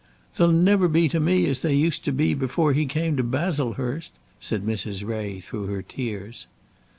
"They'll never be to me as they used to be before he came to Baslehurst," said Mrs. Ray, through her tears.